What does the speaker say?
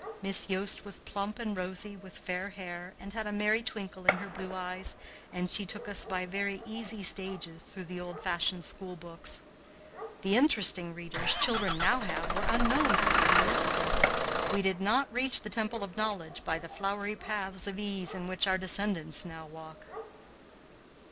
Miss Yost was plump and rosy, with fair hair, and had a merry twinkle in her blue eyes, and she took us by very easy stages through the old fashioned school books. The interesting Readers children now have were unknown sixty years ago. We did not reach the temple of knowledge by the flowery paths of ease in which our descendants now walk.